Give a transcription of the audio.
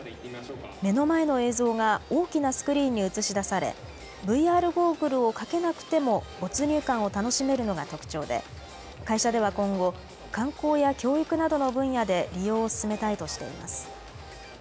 目の前の映像が大きなスクリーンに映し出されＶＲゴーグルをかけなくても没入感を楽しめるのが特徴で会社では今後、観光や教育などの分野で利用を進めたいとしています。